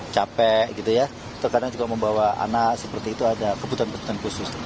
capek gitu ya terkadang juga membawa anak seperti itu ada kebutuhan kebutuhan khusus